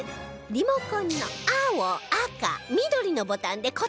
リモコンの青赤緑のボタンで答えを選択